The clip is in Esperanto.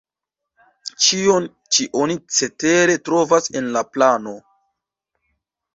Ĉion ĉi oni cetere trovas en la plano.